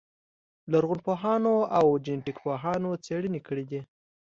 لرغونپوهانو او جنټیک پوهانو څېړنې کړې دي.